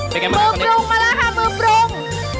มือปรุงมาแล้วค่ะมือปรุง